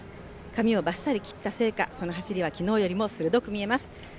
髪をばっさり切ったせいか、その走りは昨日よりも鋭く見えます。